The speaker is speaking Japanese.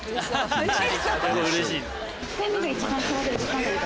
うれしい。